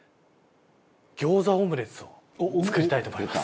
餃子オムレツを作りたいと思います。